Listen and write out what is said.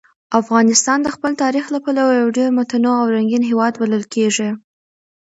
افغانستان د خپل تاریخ له پلوه یو ډېر متنوع او رنګین هېواد بلل کېږي.